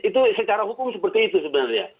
itu secara hukum seperti itu sebenarnya